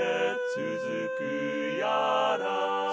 「つづくやら」